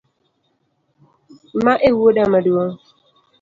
Ma ewuoda maduong’?